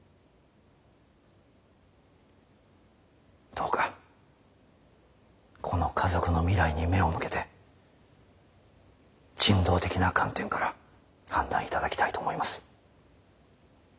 どうかこの家族の未来に目を向けて人道的な観点から判断いただきたいと思います。